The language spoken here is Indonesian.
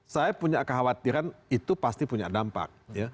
saya punya kekhawatiran itu pasti punya dampak